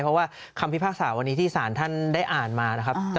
เพราะว่าคำพิพากษาวันนี้ที่สารท่านได้อ่านมานะครับ